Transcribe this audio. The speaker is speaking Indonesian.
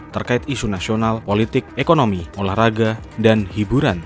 terkait isu nasional politik ekonomi olahraga dan hiburan